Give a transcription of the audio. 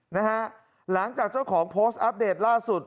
หลังจากเจ้าของโพสต์อัปเดตล่าสุด